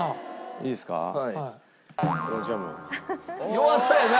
弱そうやな！